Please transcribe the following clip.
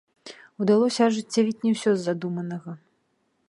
Удалося ажыццявіць не ўсё з задуманага.